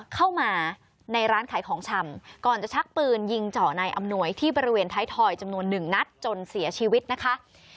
เข้ามาในร้านขายของชำก่อนจะชักปืนยิงเจาะนายอำนวยที่บริเวณท้ายทอยจำนวนหนึ่งนัดจนเสียชีวิตนะคะ